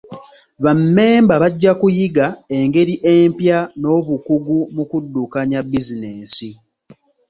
Bammemba bajja kuyiga engeri empya n'obukugu mu kuddukanya bizinensi.